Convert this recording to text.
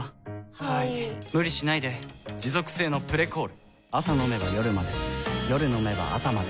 はい・・・無理しないで持続性の「プレコール」朝飲めば夜まで夜飲めば朝まで